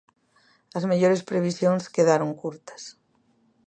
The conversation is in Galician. As mellores previsións quedaron curtas.